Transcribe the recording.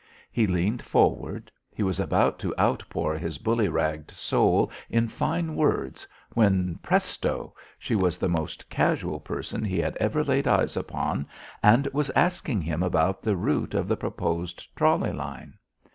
He leaned forward; he was about to outpour his bully ragged soul in fine words, when presto she was the most casual person he had ever laid eyes upon, and was asking him about the route of the proposed trolley line.